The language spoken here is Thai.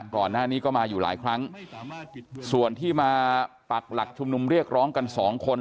ก่อนหน้านี้ก็มาอยู่หลายครั้งส่วนที่มาปักหลักชุมนุมเรียกร้องกันสองคน